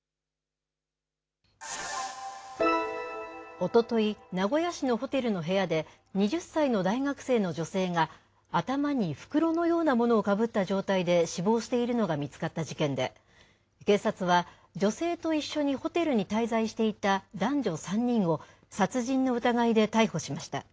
おととい、名古屋市のホテルの部屋で、２０歳の大学生の女性が、頭に袋のようなものをかぶった状態で死亡しているのが見つかった事件で、警察は女性と一緒にホテルに滞在していた男女３人を、殺人の疑いで逮捕しました。